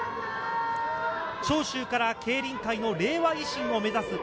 長州から競輪界の令和維新を目指す。